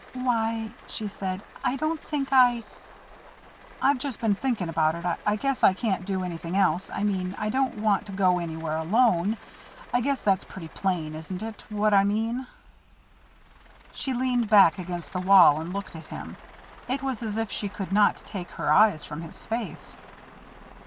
"Why " she said "I don't think I " "I've just been thinking about it. I guess I can't do anything else I mean I don't want to go anywhere alone. I guess that's pretty plain, isn't it what I mean?" She leaned back against the wall and looked at him; it was as if she could not take her eyes from his face.